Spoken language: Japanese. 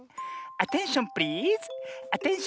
アテンションプリーズ！